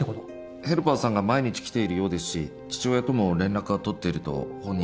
ヘルパーさんが毎日来ているようですし父親とも連絡は取っていると本人は言っていますが。